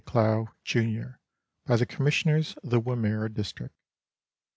Clow, junior, by the Com missioners of the Wimmera district.